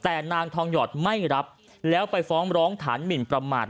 แต่นางทองหยอดไม่รับแล้วไปฟ้องร้องฐานหมินประมาท